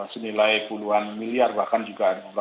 senilai puluhan miliar bahkan juga misalnya di indonesia